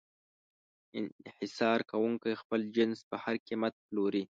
انحصار کوونکی خپل جنس په هر قیمت پلوري.